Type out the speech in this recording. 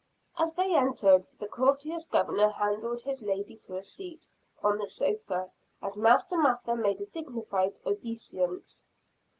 As they entered, the courteous Governor handed his lady to a seat on the sofa; and Master Mather made a dignified obeisance.